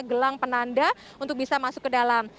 gelang penanda untuk bisa masuk ke dalam